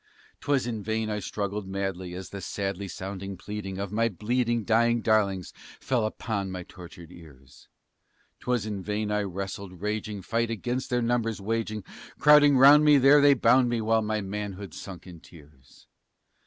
'Twas in vain I struggled madly as the sadly sounding pleading Of my bleeding, dying darlings fell upon my tortured ears; 'Twas in vain I wrestled, raging, fight against their numbers waging, Crowding round me there they bound me, while my manhood sank in tears.